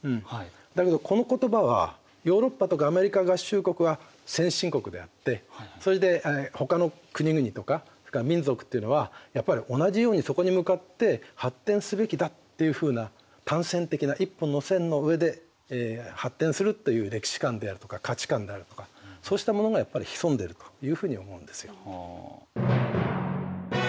だけどこの言葉はヨーロッパとかアメリカ合衆国は先進国であってそれでほかの国々とか民族っていうのはやっぱり同じようにそこに向かって発展すべきだっていうふうな単線的な一本の線の上で発展するという歴史観であるとか価値観であるとかそうしたものが潜んでいるというふうに思うんですよ。